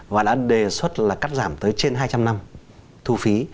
và đã đề xuất là cắt giảm tới trên hai trăm linh năm thu phí